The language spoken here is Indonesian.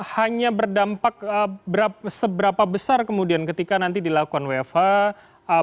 hanya berdampak seberapa besar kemudian ketika nanti dilakukan wfh